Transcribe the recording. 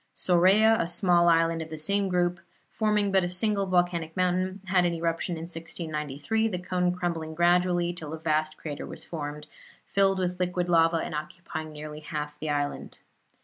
Sorea, a small island of the same group, forming but a single volcanic mountain, had an eruption in 1693, the cone crumbling gradually till a vast crater was formed, filled with liquid lava and occupying nearly half the island.